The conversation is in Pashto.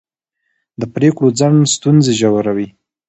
د پرېکړو ځنډ ستونزې ژوروي